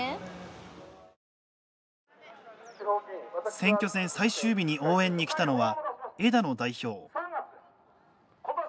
選挙戦最終日に応援に来たのは枝野代表。